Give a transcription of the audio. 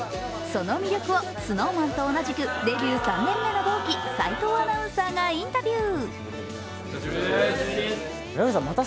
その魅力をＳｎｏｗＭａｎと同じくデビュー３年目の同期齋藤アナウンサーがインタビュー。